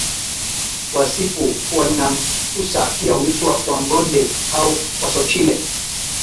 Wasifu Wanyakyusa pia huitwa Wangonde au Wasochile